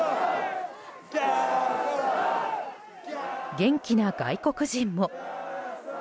元気な外国人も。